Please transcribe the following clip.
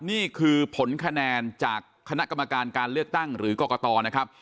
นี่คือผลคะแนนจากคณะกรรมการการเลือกตั้งหรือกรกตนะครับ